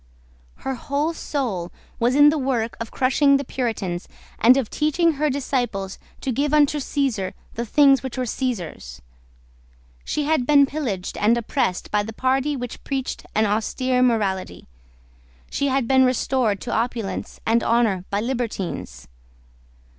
Her whole soul was in the work of crushing the Puritans, and of teaching her disciples to give unto Caesar the things which were Caesar's. She had been pillaged and oppressed by the party which preached an austere morality. She had been restored to opulence and honour by libertines.